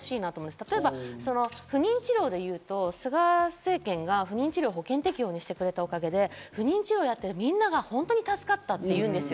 例えば不妊治療でいうと菅政権が不妊治療は保険適用にしてくれたおかげで不妊治療をやってるみんなが本当に助かったっていうんです。